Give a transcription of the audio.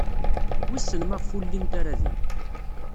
Wissen maɣef ur llint ara din.